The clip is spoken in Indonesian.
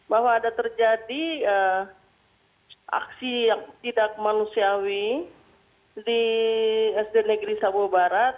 bahwa ada terjadi aksi yang tidak manusiawi di sd negeri sabu barat